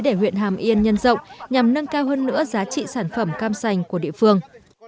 để huyện hàm yên nhân rộng nhằm nâng cao hơn nữa giá trị sản phẩm cam sành của địa phương